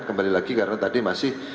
kembali lagi karena tadi masih